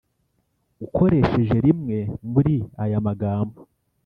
ukoresheje rimwe muri aya magambo